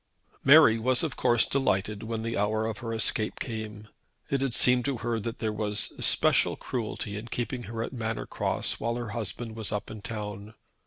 Mary was of course delighted when the hour of her escape came. It had seemed to her that there was especial cruelty in keeping her at Manor Cross while her husband was up in town.